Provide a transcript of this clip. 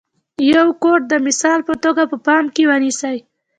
یو کوټ د مثال په توګه په پام کې ونیسئ.